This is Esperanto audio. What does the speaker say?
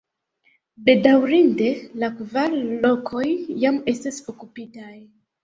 Bedaŭrinde la kvar lokoj jam estas okupitaj.